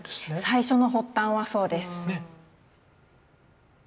最初の発端はそうです。